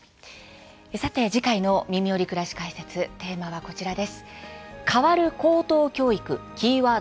さて次回の「みみより！くらし解説」テーマは、こちらです。